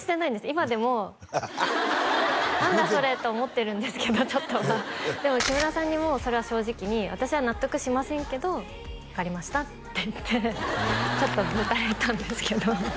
今でも「何だ？それ」と思ってるんですけどちょっとはでも木村さんにもうそれは正直に「私は納得しませんけど」「分かりました」って言ってちょっとブー垂れたんですけど